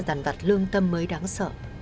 giàn vặt lương tâm mới đáng sợ